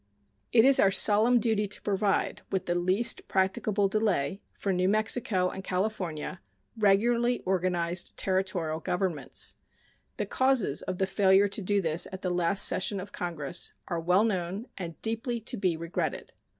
It is our solemn duty to provide with the least practicable delay for New Mexico and California regularly organized Territorial governments. The causes of the failure to do this at the last session of Congress are well known and deeply to be regretted.